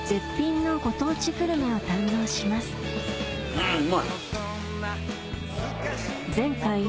うんうまい！